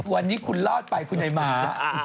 วันนี้คุณรอดไปคุณไอ้ม้า